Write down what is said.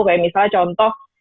kayak misalnya contoh